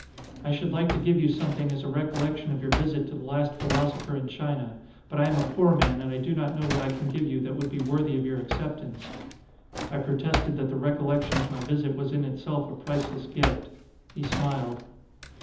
"I should like to give you something as a recol lection of your visit to the last philosopher in China, but I am a poor man and I do not know what I can give you that would be worthy of your acceptance." I protested that the recollection of my visit was in itself a priceless gift. He smiled.